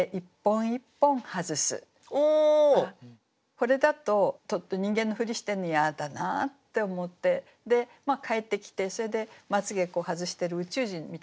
これだとちょっと人間のふりしてるのやだなって思って帰ってきてそれで睫毛外してる宇宙人みたいな感じですよね。